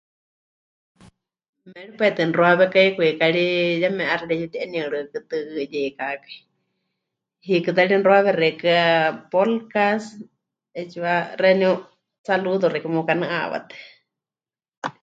"Méripai tɨ mɨxuawékai kwikari yeme 'aixɨ pɨreyuti'eniɨriɨkɨtɨyeikakai, hiikɨ ta ri mɨxuawe xeikɨ́a ""polcas"" 'eetsiwa xeeníu saludos xeikɨ́a meukanɨ'awatɨ."